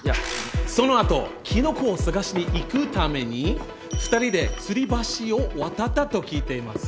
その後キノコを探しに行くために２人で吊り橋を渡ったと聞いています。